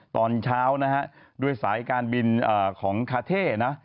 ตอนเช้านะฮะด้วยสายการบินของคาเท่นะ